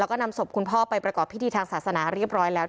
แล้วก็นำศพคุณพ่อไปประกอบพิธีทางศาสนาเรียบร้อยแล้ว